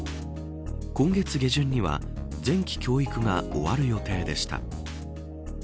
今月下旬には前期教育が終わる予定でした。